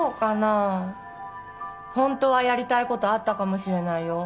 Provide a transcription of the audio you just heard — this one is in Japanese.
あホントはやりたいことあったかもしれないよ